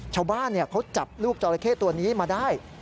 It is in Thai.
ชาวบ้านอยู่เนี่ยเขาจับลูกจรเข้ตัวนี้มาได้